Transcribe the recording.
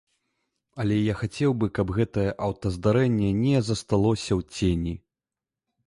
Але я хацеў бы, каб гэтае аўтаздарэнне не засталося ў цені.